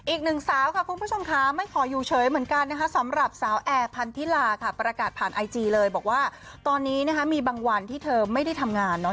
อีกหนึ่งสาวค่ะคุณผู้ชมค่ะไม่ขออยู่เฉยเหมือนกันนะคะสำหรับสาวแอร์พันธิลาค่ะประกาศผ่านไอจีเลยบอกว่าตอนนี้นะคะมีบางวันที่เธอไม่ได้ทำงานเนาะ